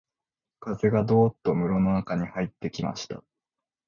風がどうっと室の中に入ってきました